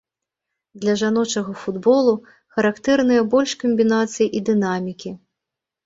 Для жаночага футболу характэрныя больш камбінацый і дынамікі.